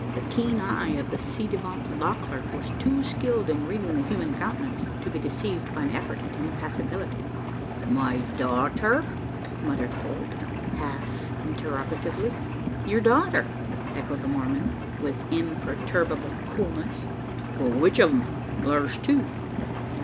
The keen eye of the ci devant law clerk was too skilled in reading the human countenance, to be deceived by an effort at impassibility. "My daughter?" muttered Holt, half interrogatively. "Your daughter!" echoed the Mormon, with imperturbable coolness. "But which o' 'em? Thur's two." "Oh!